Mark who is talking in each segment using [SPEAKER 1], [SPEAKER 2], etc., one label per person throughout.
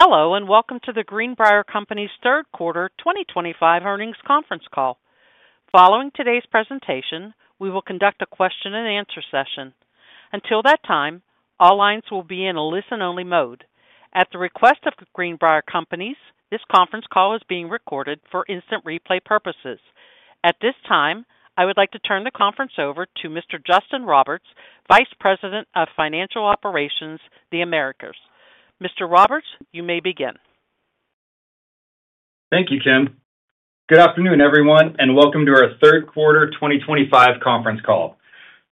[SPEAKER 1] Hello, and welcome to the Greenbrier Companies Third Quarter 2025 Earnings Conference Call. Following today's presentation, we will conduct a question-and-answer session. Until that time, all lines will be in a listen-only mode. At the request of the Greenbrier Companies, this conference call is being recorded for instant replay purposes. At this time, I would like to turn the conference over to Mr. Justin Roberts, Vice President of Financial Operations, The Americas. Mr. Roberts, you may begin.
[SPEAKER 2] Thank you, Kim. Good afternoon, everyone, and welcome to our Third Quarter 2025 Conference Call.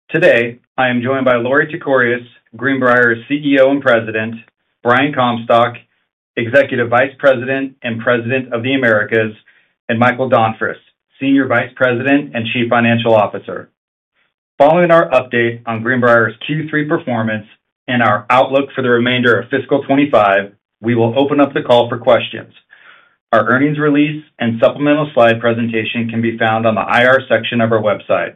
[SPEAKER 2] Today, I am joined by Lorie Tekorius, Greenbrier's CEO and President; Brian Comstock, Executive Vice President and President of The Americas; and Michael Donfris, Senior Vice President and Chief Financial Officer. Following our update on Greenbrier's Q3 performance and our outlook for the remainder of fiscal 2025, we will open up the call for questions. Our earnings release and supplemental slide presentation can be found on the IR section of our website.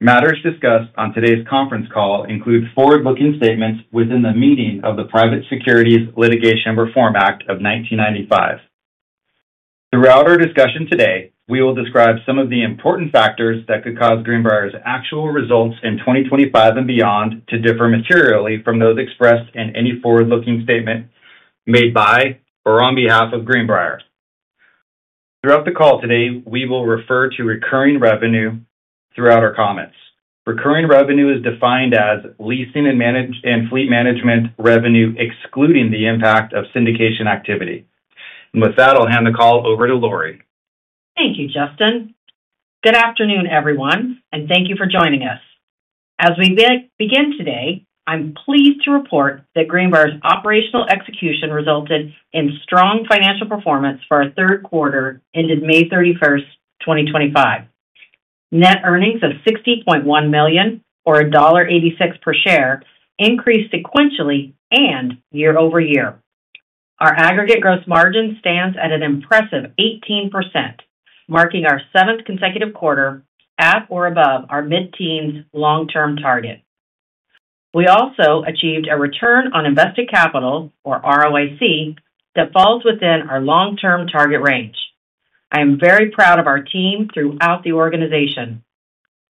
[SPEAKER 2] Matters discussed on today's conference call include forward-looking statements within the meaning of the Private Securities Litigation Reform Act of 1995. Throughout our discussion today, we will describe some of the important factors that could cause Greenbrier's actual results in 2025 and beyond to differ materially from those expressed in any forward-looking statement made by or on behalf of Greenbrier. Throughout the call today, we will refer to recurring revenue throughout our comments. Recurring revenue is defined as leasing and fleet management revenue excluding the impact of syndication activity. With that, I'll hand the call over to Lorie.
[SPEAKER 3] Thank you, Justin. Good afternoon, everyone, and thank you for joining us. As we begin today, I'm pleased to report that Greenbrier's operational execution resulted in strong financial performance for our third quarter ended May 31st, 2025. Net earnings of $60.1 million, or $1.86 per share, increased sequentially and year-over-year. Our aggregate gross margin stands at an impressive 18%, marking our seventh consecutive quarter at or above our mid-teens long-term target. We also achieved a return on invested capital, or ROIC, that falls within our long-term target range. I am very proud of our team throughout the organization.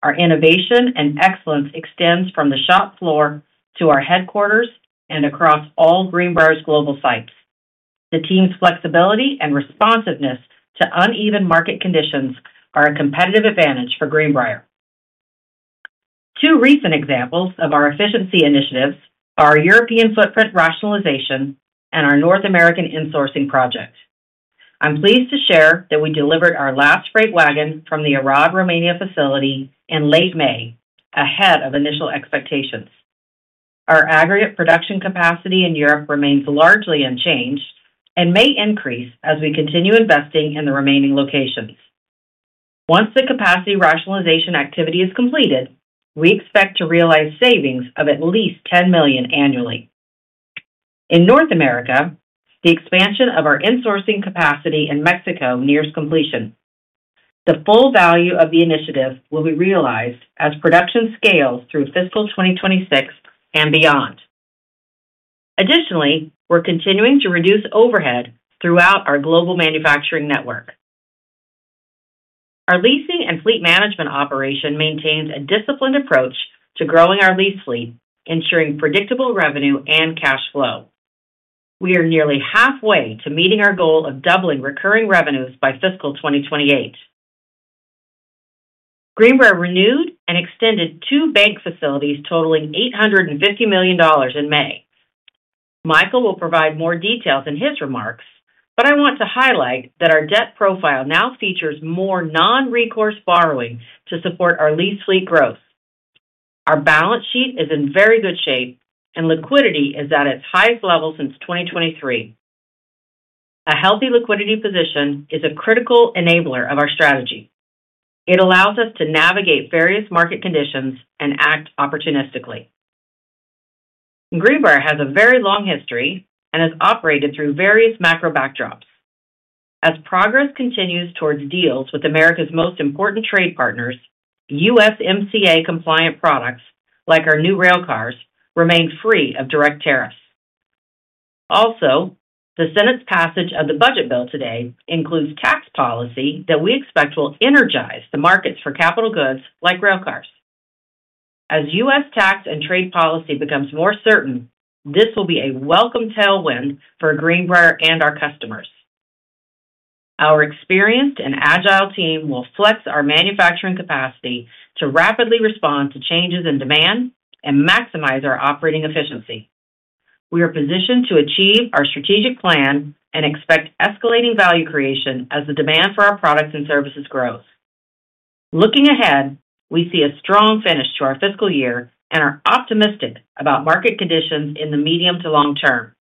[SPEAKER 3] Our innovation and excellence extends from the shop floor to our headquarters and across all Greenbrier's global sites. The team's flexibility and responsiveness to uneven market conditions are a competitive advantage for Greenbrier. Two recent examples of our efficiency initiatives are European footprint rationalization and our North American insourcing project. I'm pleased to share that we delivered our last freight wagon from the Arad, Romania facility in late May, ahead of initial expectations. Our aggregate production capacity in Europe remains largely unchanged and may increase as we continue investing in the remaining locations. Once the capacity rationalization activity is completed, we expect to realize savings of at least $10 million annually. In North America, the expansion of our insourcing capacity in Mexico nears completion. The full value of the initiative will be realized as production scales through fiscal 2026 and beyond. Additionally, we're continuing to reduce overhead throughout our global manufacturing network. Our leasing and fleet management operation maintains a disciplined approach to growing our lease fleet, ensuring predictable revenue and cash flow. We are nearly halfway to meeting our goal of doubling recurring revenues by fiscal 2028. Greenbrier renewed and extended two bank facilities totaling $850 million in May. Michael will provide more details in his remarks, but I want to highlight that our debt profile now features more non-recourse borrowing to support our lease fleet growth. Our balance sheet is in very good shape, and liquidity is at its highest level since 2023. A healthy liquidity position is a critical enabler of our strategy. It allows us to navigate various market conditions and act opportunistically. Greenbrier has a very long history and has operated through various macro backdrops. As progress continues towards deals with America's most important trade partners, USMCA-compliant products like our new railcars remain free of direct tariffs. Also, the Senate's passage of the budget bill today includes tax policy that we expect will energize the markets for capital goods like railcars. As U.S. tax and trade policy becomes more certain, this will be a welcome tailwind for Greenbrier and our customers. Our experienced and agile team will flex our manufacturing capacity to rapidly respond to changes in demand and maximize our operating efficiency. We are positioned to achieve our strategic plan and expect escalating value creation as the demand for our products and services grows. Looking ahead, we see a strong finish to our fiscal year and are optimistic about market conditions in the medium to long term.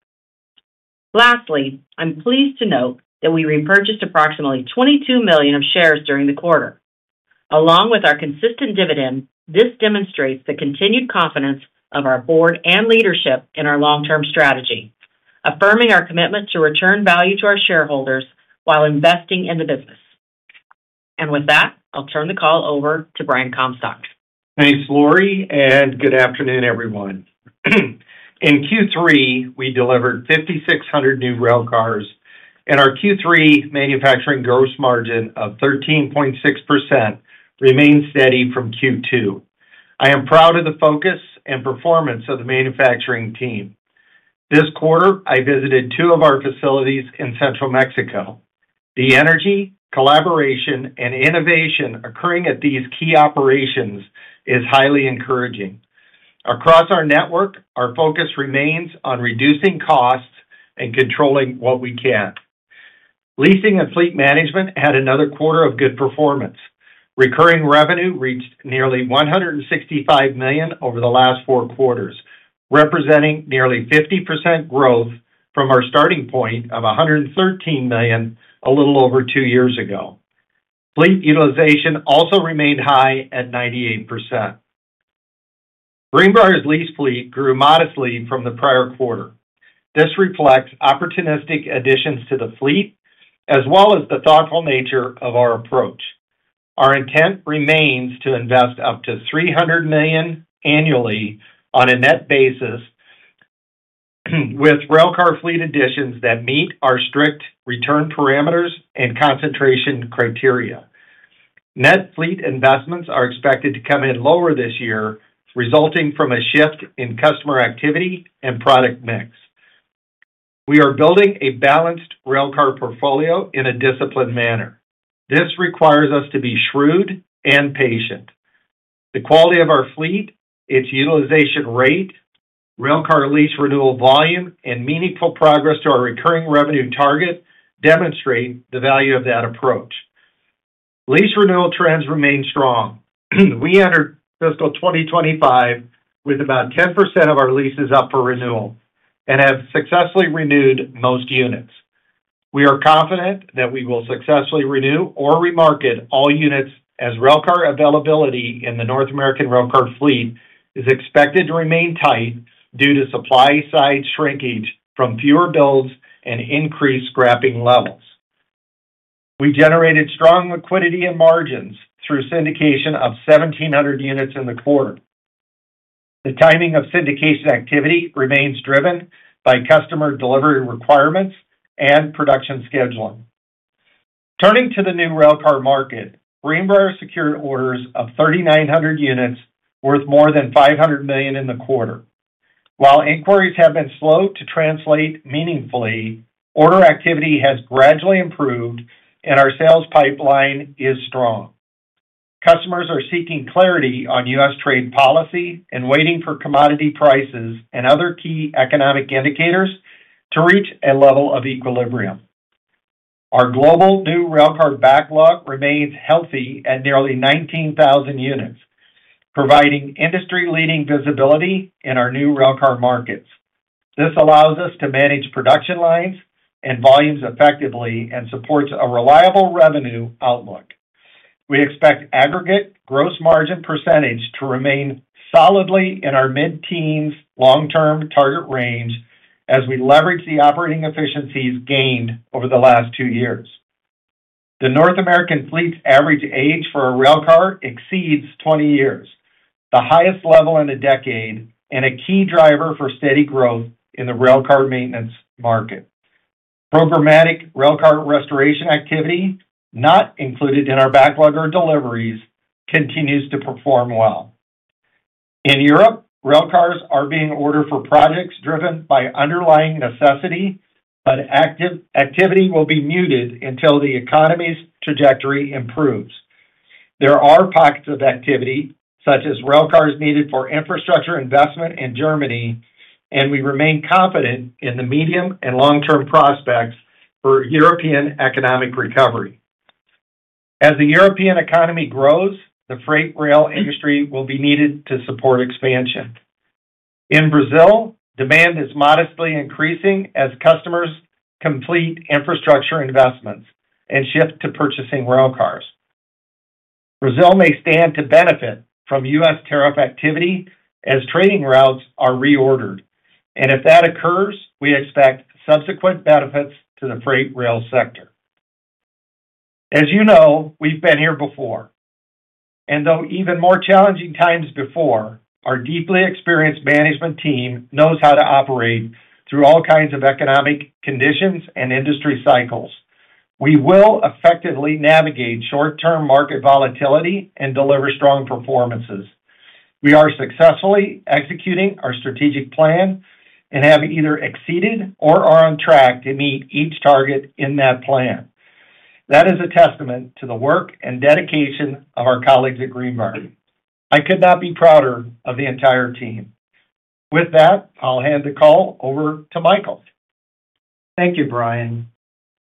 [SPEAKER 3] Lastly, I'm pleased to note that we repurchased approximately $22 million of shares during the quarter. Along with our consistent dividend, this demonstrates the continued confidence of our board and leadership in our long-term strategy, affirming our commitment to return value to our shareholders while investing in the business. I'll turn the call over to Brian Comstock.
[SPEAKER 4] Thanks, Lorie, and good afternoon, everyone. In Q3, we delivered 5,600 new railcars, and our Q3 manufacturing gross margin of 13.6% remained steady from Q2. I am proud of the focus and performance of the manufacturing team. This quarter, I visited two of our facilities in central Mexico. The energy, collaboration, and innovation occurring at these key operations is highly encouraging. Across our network, our focus remains on reducing costs and controlling what we can. Leasing and fleet management had another quarter of good performance. Recurring revenue reached nearly $165 million over the last four quarters, representing nearly 50% growth from our starting point of $113 million a little over two years ago. Fleet utilization also remained high at 98%. Greenbrier's lease fleet grew modestly from the prior quarter. This reflects opportunistic additions to the fleet, as well as the thoughtful nature of our approach. Our intent remains to invest up to $300 million annually on a net basis, with railcar fleet additions that meet our strict return parameters and concentration criteria. Net fleet investments are expected to come in lower this year, resulting from a shift in customer activity and product mix. We are building a balanced railcar portfolio in a disciplined manner. This requires us to be shrewd and patient. The quality of our fleet, its utilization rate, railcar lease renewal volume, and meaningful progress to our recurring revenue target demonstrate the value of that approach. Lease renewal trends remain strong. We entered fiscal 2025 with about 10% of our leases up for renewal and have successfully renewed most units. We are confident that we will successfully renew or remarket all units as railcar availability in the North American railcar fleet is expected to remain tight due to supply-side shrinkage from fewer builds and increased scrapping levels. We generated strong liquidity and margins through syndication of 1,700 units in the quarter. The timing of syndication activity remains driven by customer delivery requirements and production scheduling. Turning to the new railcar market, Greenbrier secured orders of 3,900 units worth more than $500 million in the quarter. While inquiries have been slow to translate meaningfully, order activity has gradually improved, and our sales pipeline is strong. Customers are seeking clarity on U.S. trade policy and waiting for commodity prices and other key economic indicators to reach a level of equilibrium. Our global new railcar backlog remains healthy at nearly 19,000 units, providing industry-leading visibility in our new railcar markets. This allows us to manage production lines and volumes effectively and supports a reliable revenue outlook. We expect aggregate gross margin percentage to remain solidly in our mid-teens long-term target range as we leverage the operating efficiencies gained over the last two years. The North American fleet's average age for a railcar exceeds 20 years, the highest level in a decade and a key driver for steady growth in the railcar maintenance market. Programmatic railcar restoration activity, not included in our backlog or deliveries, continues to perform well. In Europe, railcars are being ordered for projects driven by underlying necessity, but activity will be muted until the economy's trajectory improves. There are pockets of activity, such as railcars needed for infrastructure investment in Germany, and we remain confident in the medium and long-term prospects for European economic recovery. As the European economy grows, the freight rail industry will be needed to support expansion. In Brazil, demand is modestly increasing as customers complete infrastructure investments and shift to purchasing railcars. Brazil may stand to benefit from U.S. tariff activity as trading routes are reordered, and if that occurs, we expect subsequent benefits to the freight rail sector. As you know, we've been here before. And though even more challenging times before, our deeply experienced management team knows how to operate through all kinds of economic conditions and industry cycles. We will effectively navigate short-term market volatility and deliver strong performances. We are successfully executing our strategic plan and have either exceeded or are on track to meet each target in that plan. That is a testament to the work and dedication of our colleagues at Greenbrier. I could not be prouder of the entire team. With that, I'll hand the call over to Michael.
[SPEAKER 5] Thank you, Brian.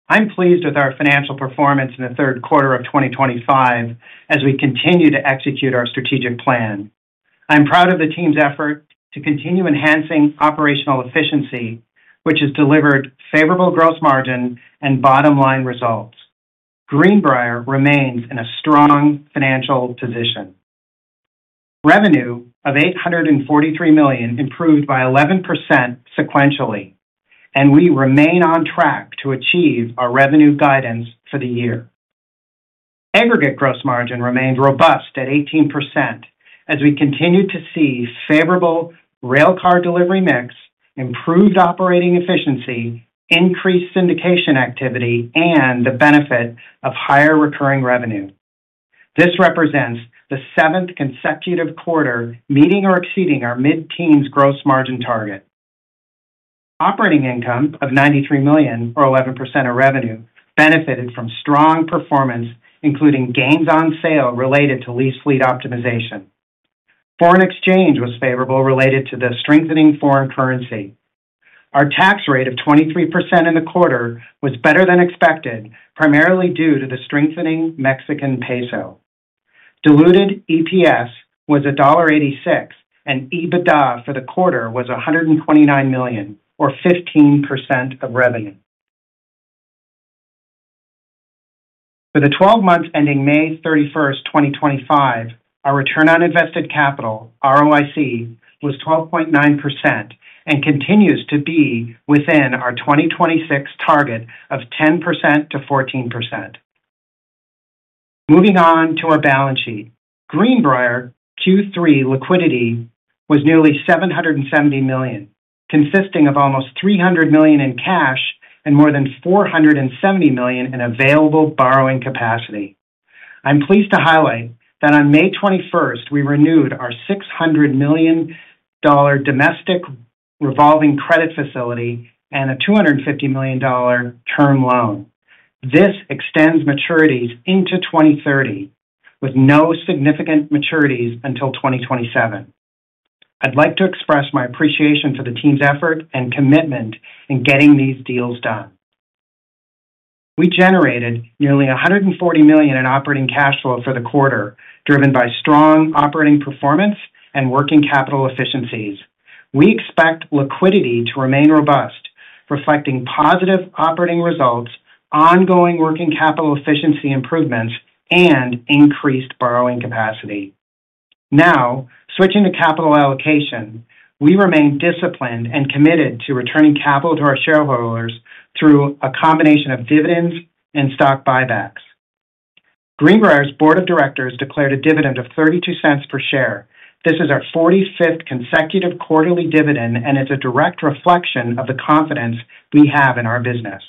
[SPEAKER 5] I'm pleased with our financial performance in the third quarter of 2025 as we continue to execute our strategic plan. I'm proud of the team's effort to continue enhancing operational efficiency, which has delivered favorable gross margin and bottom-line results. Greenbrier remains in a strong financial position. Revenue of $843 million improved by 11% sequentially, and we remain on track to achieve our revenue guidance for the year. Aggregate gross margin remained robust at 18% as we continued to see favorable railcar delivery mix, improved operating efficiency, increased syndication activity, and the benefit of higher recurring revenue. This represents the seventh consecutive quarter meeting or exceeding our mid-teens gross margin target. Operating income of $93 million, or 11% of revenue, benefited from strong performance, including gains on sale related to lease fleet optimization. Foreign exchange was favorable related to the strengthening foreign currency. Our tax rate of 23% in the quarter was better than expected, primarily due to the strengthening Mexican peso. Diluted EPS was $1.86, and EBITDA for the quarter was $129 million, or 15% of revenue. For the 12 months ending May 31st, 2025, our return on invested capital, ROIC, was 12.9% and continues to be within our 2026 target of 10%-14%. Moving on to our balance sheet, Greenbrier Q3 liquidity was nearly $770 million, consisting of almost $300 million in cash and more than $470 million in available borrowing capacity. I'm pleased to highlight that on May 21st, we renewed our $600 million domestic revolving credit facility and a $250 million term loan. This extends maturities into 2030, with no significant maturities until 2027. I'd like to express my appreciation for the team's effort and commitment in getting these deals done. We generated nearly $140 million in operating cash flow for the quarter, driven by strong operating performance and working capital efficiencies. We expect liquidity to remain robust, reflecting positive operating results, ongoing working capital efficiency improvements, and increased borrowing capacity. Now, switching to capital allocation, we remain disciplined and committed to returning capital to our shareholders through a combination of dividends and stock buybacks. Greenbrier's board of directors declared a dividend of $0.32 per share. This is our 45th consecutive quarterly dividend, and it's a direct reflection of the confidence we have in our business.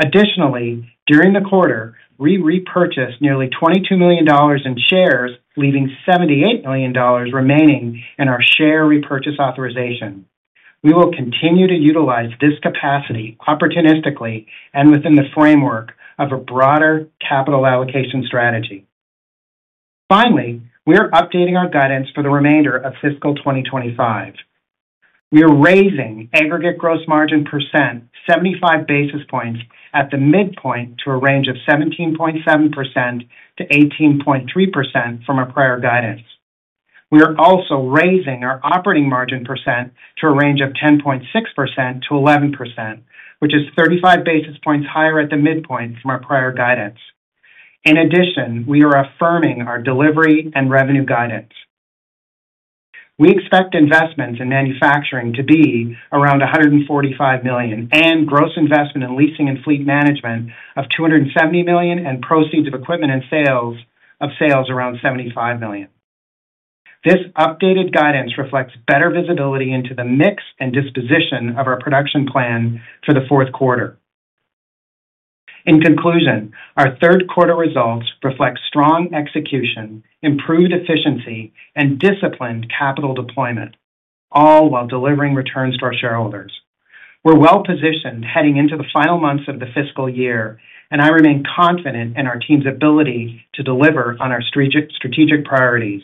[SPEAKER 5] Additionally, during the quarter, we repurchased nearly $22 million in shares, leaving $78 million remaining in our share repurchase authorization. We will continue to utilize this capacity opportunistically and within the framework of a broader capital allocation strategy. Finally, we are updating our guidance for the remainder of fiscal 2025. We are raising aggregate gross margin percent, 75 basis points at the midpoint to a range of 17.7%-18.3% from our prior guidance. We are also raising our operating margin percent to a range of 10.6%-11%, which is 35 basis points higher at the midpoint from our prior guidance. In addition, we are affirming our delivery and revenue guidance. We expect investments in manufacturing to be around $145 million and gross investment in leasing and fleet management of $270 million and proceeds of equipment and sales of sales around $75 million. This updated guidance reflects better visibility into the mix and disposition of our production plan for the fourth quarter. In conclusion, our third quarter results reflect strong execution, improved efficiency, and disciplined capital deployment, all while delivering returns to our shareholders. We're well positioned heading into the final months of the fiscal year, and I remain confident in our team's ability to deliver on our strategic priorities.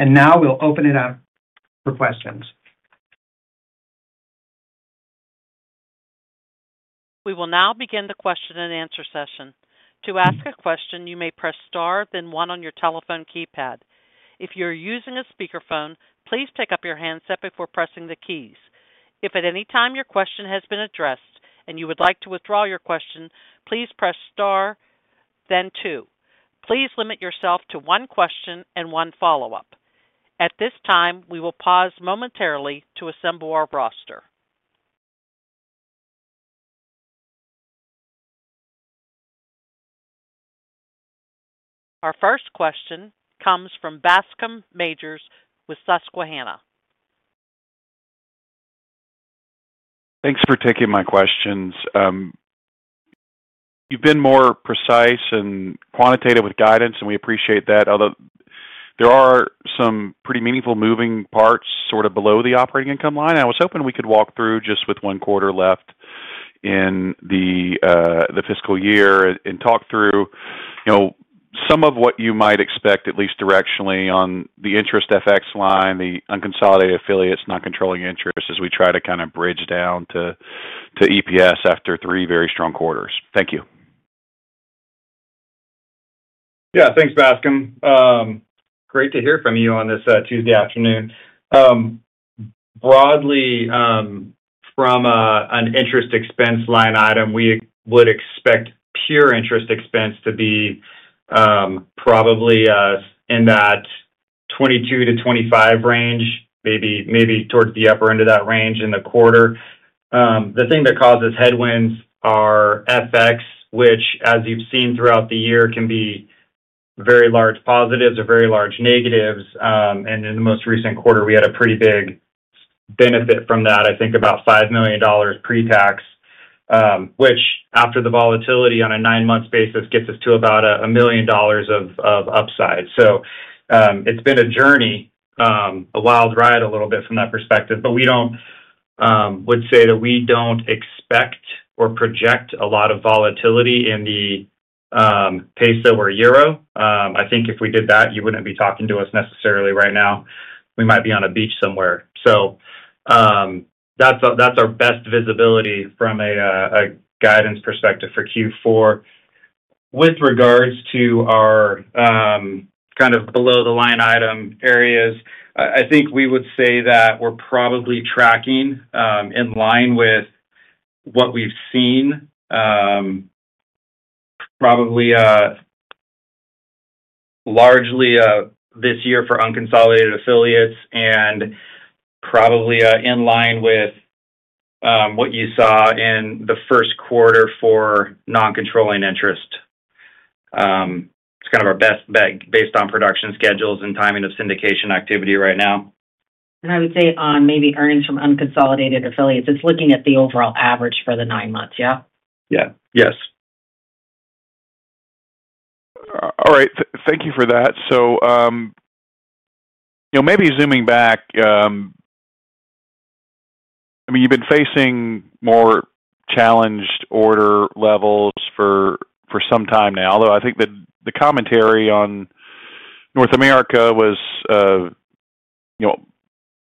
[SPEAKER 5] Now we'll open it up for questions.
[SPEAKER 1] We will now begin the question-and-answer session. To ask a question, you may press star, then one on your telephone keypad. If you're using a speakerphone, please pick up your handset before pressing the keys. If at any time your question has been addressed and you would like to withdraw your question, please press star, then two. Please limit yourself to one question and one follow-up. At this time, we will pause momentarily to assemble our roster. Our first question comes from Bascome Majors with Susquehanna.
[SPEAKER 6] Thanks for taking my questions. You've been more precise and quantitative with guidance, and we appreciate that. There are some pretty meaningful moving parts sort of below the operating income line. I was hoping we could walk through just with one quarter left in the fiscal year and talk through some of what you might expect, at least directionally, on the interest FX line, the unconsolidated affiliates, non-controlling interest as we try to kind of bridge down to EPS after three very strong quarters. Thank you.
[SPEAKER 4] Yeah, thanks, Bascome. Great to hear from you on this Tuesday afternoon. Broadly, from an interest expense line item, we would expect pure interest expense to be probably in that $22 million-$25 million range, maybe towards the upper end of that range in the quarter. The thing that causes headwinds are FX, which, as you've seen throughout the year, can be very large positives or very large negatives. In the most recent quarter, we had a pretty big benefit from that, I think about $5 million pre-tax, which, after the volatility on a nine-month basis, gets us to about $1 million of upside. It's been a journey, a wild ride a little bit from that perspective, but we would say that we don't expect or project a lot of volatility in the peso or euro. I think if we did that, you would not be talking to us necessarily right now. We might be on a beach somewhere. That is our best visibility from a guidance perspective for Q4. With regards to our kind of below-the-line item areas, I think we would say that we are probably tracking in line with what we have seen, probably largely this year for unconsolidated affiliates and probably in line with what you saw in the first quarter for non-controlling interest. It is kind of our best bet based on production schedules and timing of syndication activity right now.
[SPEAKER 3] I would say on maybe earnings from unconsolidated affiliates, it's looking at the overall average for the nine months, yeah?
[SPEAKER 4] Yeah. Yes.
[SPEAKER 6] All right. Thank you for that. Maybe zooming back, I mean, you've been facing more challenged order levels for some time now, although I think the commentary on North America was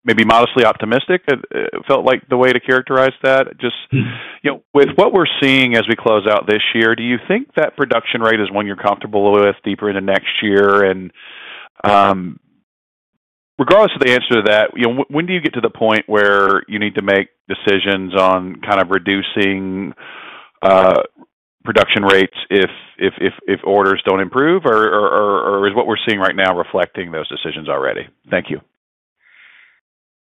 [SPEAKER 6] maybe modestly optimistic, it felt like the way to characterize that. Just with what we're seeing as we close out this year, do you think that production rate is one you're comfortable with deeper into next year? Regardless of the answer to that, when do you get to the point where you need to make decisions on kind of reducing production rates if orders do not improve, or is what we're seeing right now reflecting those decisions already? Thank you.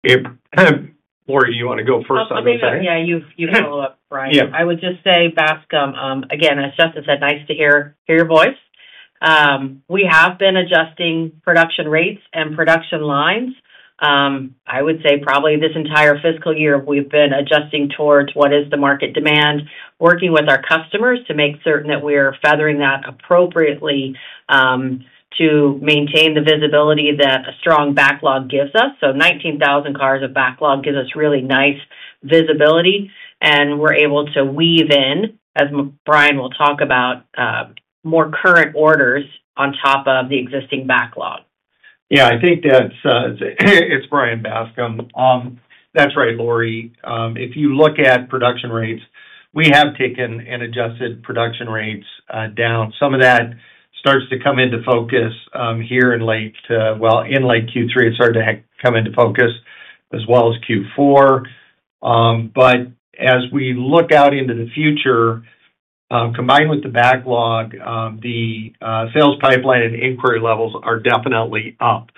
[SPEAKER 4] Kind of, Lorie, you want to go first on this?
[SPEAKER 3] Oh, yeah. Yeah, you follow up, Brian. I would just say, Bascome, again, as Justin said, nice to hear your voice. We have been adjusting production rates and production lines. I would say probably this entire fiscal year, we've been adjusting towards what is the market demand, working with our customers to make certain that we are feathering that appropriately to maintain the visibility that a strong backlog gives us. So 19,000 cars of backlog gives us really nice visibility, and we're able to weave in, as Brian will talk about, more current orders on top of the existing backlog.
[SPEAKER 4] Yeah, I think that's it. It's Brian, Bascome. That's right, Lorie. If you look at production rates, we have taken and adjusted production rates down. Some of that starts to come into focus here in late, well, in late Q3, it started to come into focus as well as Q4. As we look out into the future, combined with the backlog, the sales pipeline and inquiry levels are definitely up.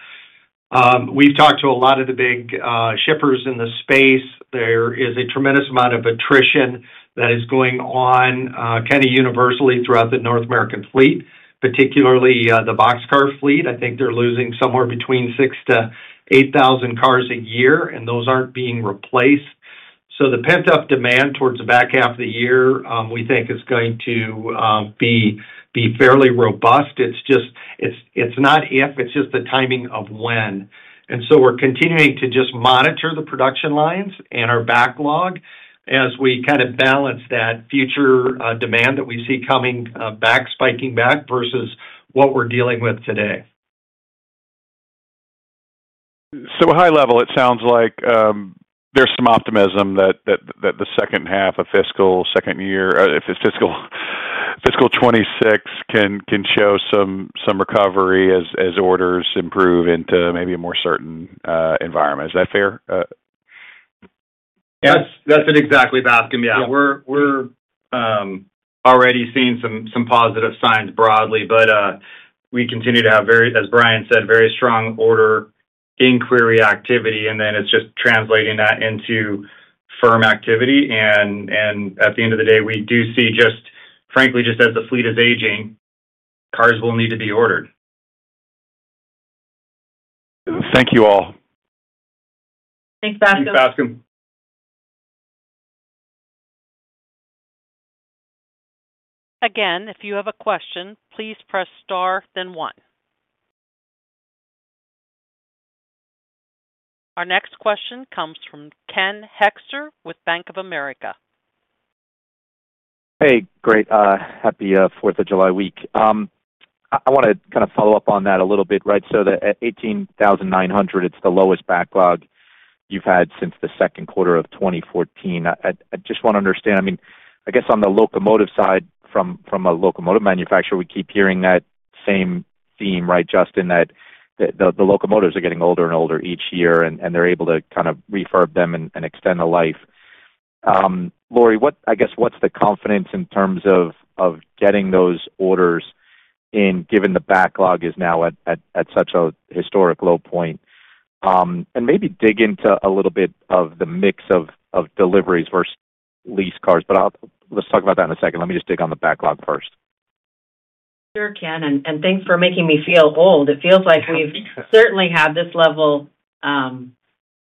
[SPEAKER 4] We've talked to a lot of the big shippers in the space. There is a tremendous amount of attrition that is going on kind of universally throughout the North American fleet, particularly the boxcar fleet. I think they're losing somewhere between 6,000-8,000 cars a year, and those aren't being replaced. The pent-up demand towards the back half of the year, we think, is going to be fairly robust. It's not if, it's just the timing of when. We're continuing to just monitor the production lines and our backlog as we kind of balance that future demand that we see coming back, spiking back versus what we're dealing with today.
[SPEAKER 6] High level, it sounds like there's some optimism that the second half of fiscal second year, if it's fiscal 2026, can show some recovery as orders improve into maybe a more certain environment. Is that fair? That's it exactly, Bascome. Yeah, we're already seeing some positive signs broadly, but we continue to have, as Brian said, very strong order inquiry activity, and then it's just translating that into firm activity. At the end of the day, we do see just, frankly, just as the fleet is aging, cars will need to be ordered. Thank you all.
[SPEAKER 3] Thanks, Bascome.
[SPEAKER 4] Thanks, Bascome.
[SPEAKER 1] Again, if you have a question, please press star, then one. Our next question comes from Ken Hoexter with Bank of America.
[SPEAKER 7] Hey, great. Happy 4th of July week. I want to kind of follow up on that a little bit, right? So at 18,900, it's the lowest backlog you've had since the second quarter of 2014. I just want to understand, I mean, I guess on the locomotive side, from a locomotive manufacturer, we keep hearing that same theme, right, Justin, that the locomotives are getting older and older each year, and they're able to kind of refurb them and extend the life. Lorie, I guess, what's the confidence in terms of getting those orders in, given the backlog is now at such a historic low point? And maybe dig into a little bit of the mix of deliveries versus lease cars, but let's talk about that in a second. Let me just dig on the backlog first.
[SPEAKER 3] Sure can. Thanks for making me feel old. It feels like we've certainly had this level.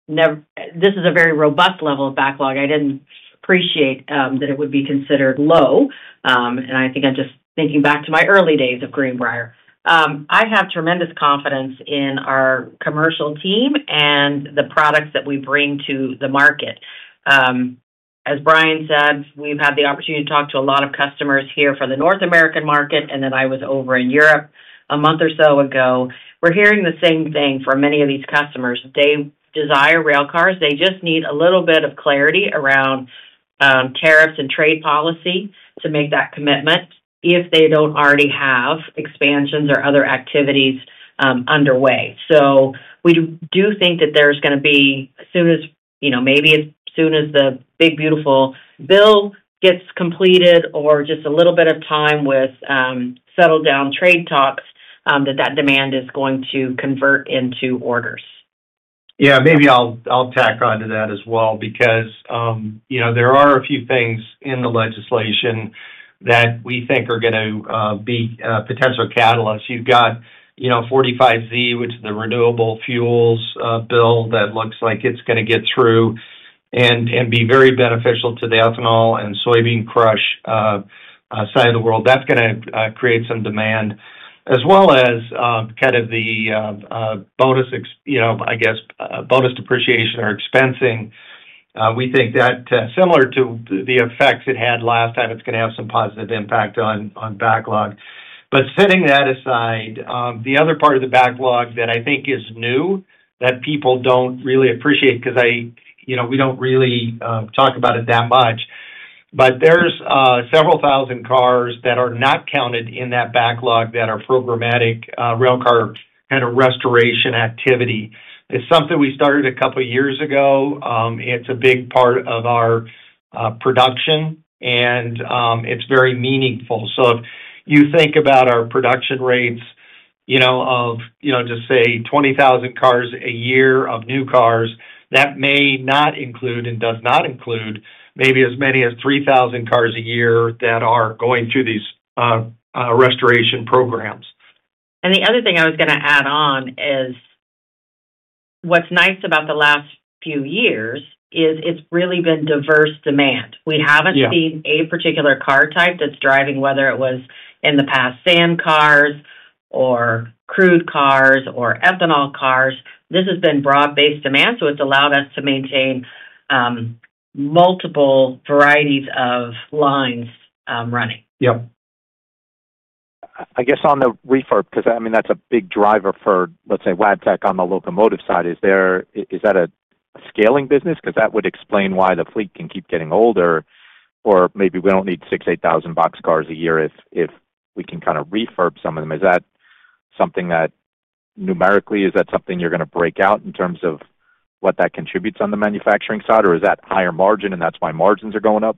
[SPEAKER 3] This is a very robust level of backlog. I did not appreciate that it would be considered low. I think I am just thinking back to my early days of Greenbrier. I have tremendous confidence in our commercial team and the products that we bring to the market. As Brian said, we've had the opportunity to talk to a lot of customers here for the North American market, and then I was over in Europe a month or so ago. We are hearing the same thing from many of these customers. They desire railcars. They just need a little bit of clarity around tariffs and trade policy to make that commitment if they do not already have expansions or other activities underway. We do think that there's going to be, as soon as maybe as soon as the big, beautiful bill gets completed or just a little bit of time with settled-down trade talks, that that demand is going to convert into orders.
[SPEAKER 4] Yeah, maybe I'll tack on to that as well because there are a few things in the legislation that we think are going to be potential catalysts. You've got 45Z, which is the renewable fuels bill that looks like it's going to get through and be very beneficial to the ethanol and soybean crush side of the world. That's going to create some demand, as well as kind of the bonus, I guess, bonus depreciation or expensing. We think that, similar to the effects it had last time, it's going to have some positive impact on backlog. Setting that aside, the other part of the backlog that I think is new that people don't really appreciate because we don't really talk about it that much, but there's several thousand cars that are not counted in that backlog that are programmatic railcar kind of restoration activity. It's something we started a couple of years ago. It's a big part of our production, and it's very meaningful. If you think about our production rates of, just say, 20,000 cars a year of new cars, that may not include and does not include maybe as many as 3,000 cars a year that are going through these restoration programs.
[SPEAKER 3] The other thing I was going to add on is what's nice about the last few years is it's really been diverse demand. We haven't seen a particular car type that's driving, whether it was in the past, sand cars or crude cars or ethanol cars. This has been broad-based demand, so it's allowed us to maintain multiple varieties of lines running.
[SPEAKER 7] Yep. I guess on the refurb, because I mean, that's a big driver for, let's say, Wabtec on the locomotive side, is that a scaling business? Because that would explain why the fleet can keep getting older, or maybe we do not need 6,000-8,000 boxcars a year if we can kind of refurb some of them. Is that something that numerically, is that something you are going to break out in terms of what that contributes on the manufacturing side, or is that higher margin and that is why margins are going up?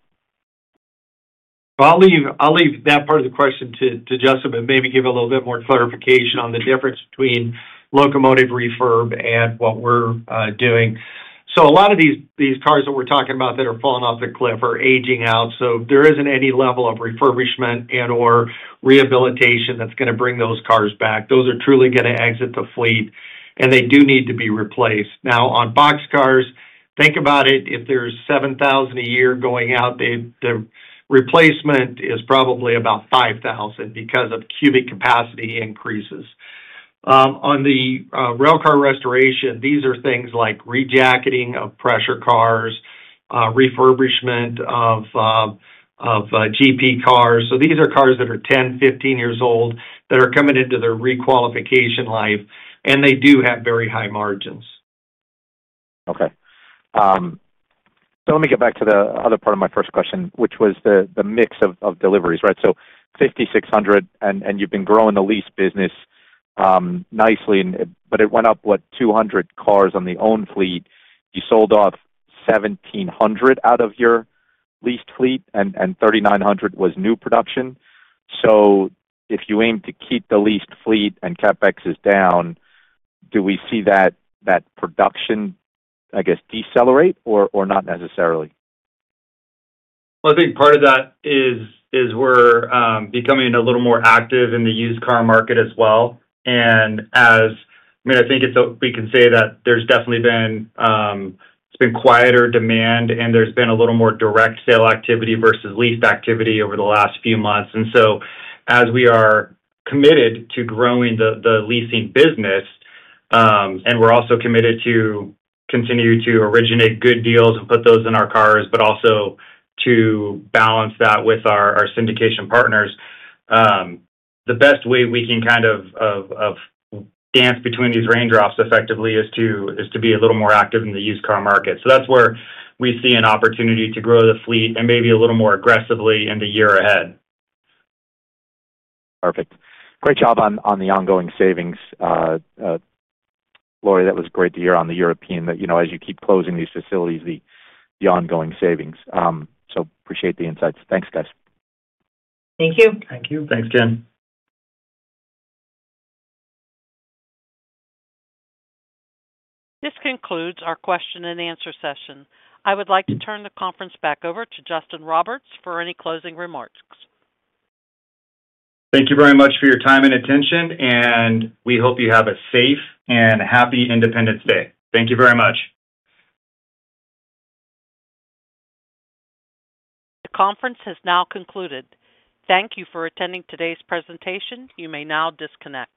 [SPEAKER 4] I'll leave that part of the question to Justin but maybe give a little bit more clarification on the difference between locomotive refurb and what we're doing. A lot of these cars that we're talking about that are falling off the cliff are aging out. There isn't any level of refurbishment and/or rehabilitation that's going to bring those cars back. Those are truly going to exit the fleet, and they do need to be replaced. Now, on boxcars, think about it. If there's 7,000 a year going out, the replacement is probably about 5,000 because of cubic capacity increases. On the railcar restoration, these are things like rejacketing of pressure cars, refurbishment of GP cars. These are cars that are 10, 15 years old that are coming into their requalification life, and they do have very high margins.
[SPEAKER 7] Okay. Let me get back to the other part of my first question, which was the mix of deliveries, right? 5,600, and you've been growing the lease business nicely, but it went up, what, 200 cars on the owned fleet. You sold off 1,700 out of your leased fleet, and 3,900 was new production. If you aim to keep the leased fleet and CapEx is down, do we see that production, I guess, decelerate or not necessarily?
[SPEAKER 4] I think part of that is we're becoming a little more active in the used car market as well. I mean, I think we can say that there's definitely been, it's been quieter demand, and there's been a little more direct sale activity versus leased activity over the last few months. As we are committed to growing the leasing business, and we're also committed to continue to originate good deals and put those in our cars, but also to balance that with our syndication partners, the best way we can kind of dance between these raindrops effectively is to be a little more active in the used car market. That's where we see an opportunity to grow the fleet and maybe a little more aggressively in the year ahead.
[SPEAKER 7] Perfect. Great job on the ongoing savings. Lorie, that was great to hear on the European, as you keep closing these facilities, the ongoing savings. Appreciate the insights. Thanks, guys.
[SPEAKER 3] Thank you.
[SPEAKER 4] Thank you. Thanks, Ken.
[SPEAKER 1] This concludes our question-and-answer session. I would like to turn the conference back over to Justin Roberts for any closing remarks.
[SPEAKER 2] Thank you very much for your time and attention, and we hope you have a safe and happy Independence Day. Thank you very much.
[SPEAKER 1] The conference has now concluded. Thank you for attending today's presentation. You may now disconnect.